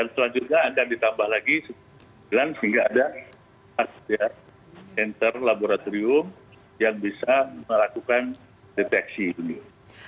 selanjutnya ada yang ditambah lagi sehingga ada center laboratorium yang bisa melakukan deteksi ini